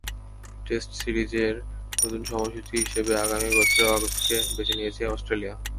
Test সিরিজের নতুন সময়সূচি হিসেবে আগামী বছরে আগস্টকে বেছে নিয়েছে অস্ট্রেলিয়া।